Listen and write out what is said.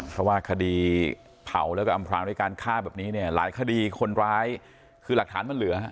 เพราะว่าคดีเผาแล้วก็อำพรางด้วยการฆ่าแบบนี้เนี่ยหลายคดีคนร้ายคือหลักฐานมันเหลือ